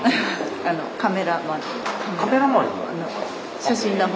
カメラマンに？